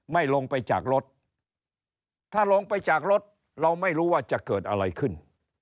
ลงไปจากรถถ้าลงไปจากรถเราไม่รู้ว่าจะเกิดอะไรขึ้น